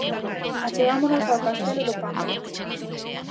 Achegámonos ao castelo do Pambre.